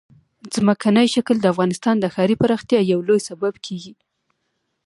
ځمکنی شکل د افغانستان د ښاري پراختیا یو لوی سبب کېږي.